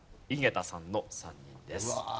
井桁さんの３人です。